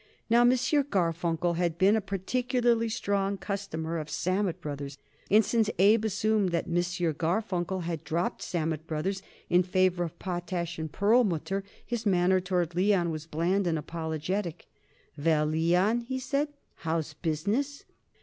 Now, M. Garfunkel had been a particularly strong customer of Sammet Brothers, and since Abe assumed that M. Garfunkel had dropped Sammet Brothers in favor of Potash & Perlmutter his manner toward Leon was bland and apologetic. "Well, Leon," he said, "how's business?"